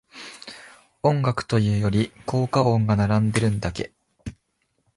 音楽というより効果音が並んでるだけ